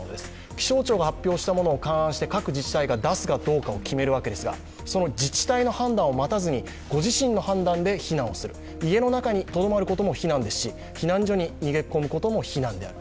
気象庁が発表したものを勘案して各自治体が出すかどうかを決めるわけですが、その自治体の判断を待たずにご自身の判断で避難をする、家の中にとどまることも避難ですし、避難所に逃げ込むことも避難である。